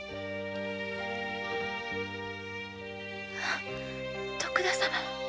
あッ徳田様。